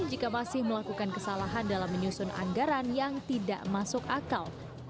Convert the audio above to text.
jika masih melakukan kesalahan dalam menyusun anggaran yang tidak masuk akal